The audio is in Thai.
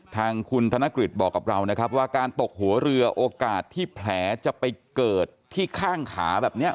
ทางคุณธนกฤษบอกกับเรานะครับว่าการตกหัวเรือโอกาสที่แผลจะไปเกิดที่ข้างขาแบบนี้